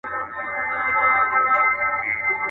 نه د خوشحال، نه د اکبر له توري وشرمېدل.